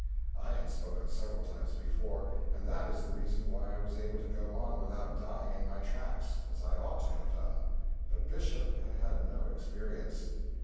I had spoken several times before, and that in the reason why I was able to go on without dying in my tracks, as I ought to have done but Bishop had had no experience.